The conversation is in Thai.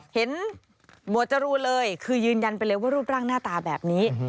หมวดจรูนเลยคือยืนยันไปเลยว่ารูปร่างหน้าตาแบบนี้